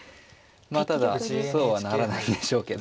まあただそうはならないでしょうけど。